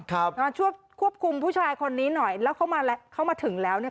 มาช่วยควบคุมผู้ชายคนนี้หน่อยแล้วเขามาแล้วเขามาถึงแล้วเนี่ย